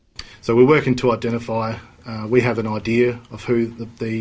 jadi kami bekerja untuk mengetahui